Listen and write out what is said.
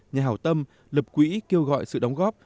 nhà hảo tâm lập quỹ kêu gọi sự đóng góp